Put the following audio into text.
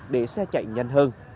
để xe chạy nhanh hơn